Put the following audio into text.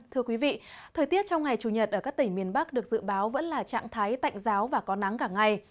thưa quý vị thời tiết trong ngày chủ nhật ở các tỉnh miền bắc được dự báo vẫn là trạng thái tạnh giáo và có nắng cả ngày